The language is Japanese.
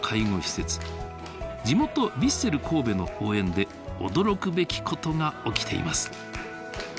地元ヴィッセル神戸の応援で驚くべきことが起きています。